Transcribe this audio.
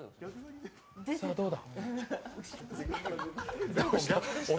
さあ、どうだ？